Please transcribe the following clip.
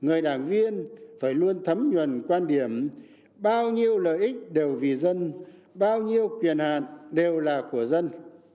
người đảng viên phải luôn thấm nhuần quan điểm bao nhiêu lợi ích đều vì dân bao nhiêu quyền hạn đều là của dân